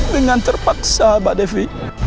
dengan terpaksa mbak devi